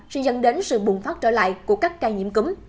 sẽ dẫn đến sự bùng phát trở lại của các ca nhiễm cúm